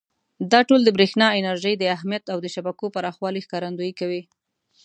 دا ټول د برېښنا انرژۍ د اهمیت او د شبکو پراخوالي ښکارندویي کوي.